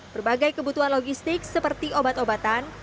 berbagai kebutuhan logistik seperti obat obatan